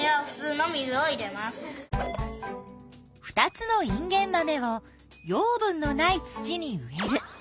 ２つのインゲンマメを養分のない土に植える。